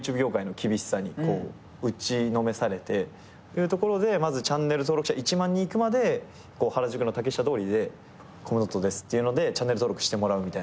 いうところでまずチャンネル登録者１万人いくまで原宿の竹下通りでコムドットですっていうのでチャンネル登録してもらうみたいな。